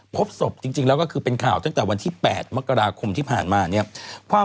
พบศพจริงแล้วก็คือเป็นข่าวตั้งแต่วันที่๘มกราคมที่ผ่านมาเนี่ยความ